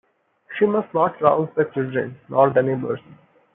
She must not rouse the children, nor the neighbours.